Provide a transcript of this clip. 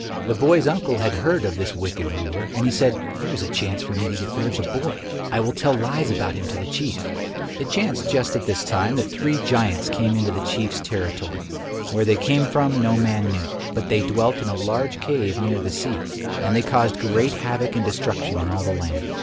The boy's uncle had heard of this wicked ruler, and he said, "Here is a chance for me to get rid of the boy. I will tell lies about him to the Chief." It chanced just at this time that three giants came into the Chief's territory. Where they came from, no man knew, but they dwelt in a large cave near the sea, and they caused great havoc and destruction in all the land.